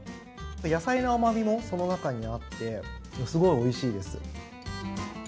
野菜の甘みもその中にあってすごいおいしいです。